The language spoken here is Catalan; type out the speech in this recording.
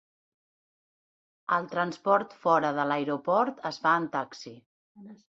El transport fora de l'aeroport es fa en taxi.